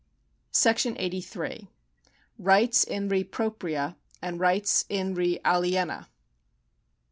^§ 83. Rights in re propria and Rights in re aliena.